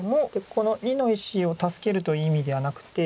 この②の石を助けるという意味ではなくて。